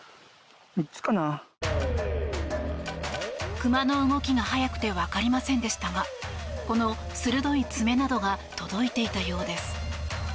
熊の動きが速くてわかりませんでしたがこの鋭い爪などが届いていたようです。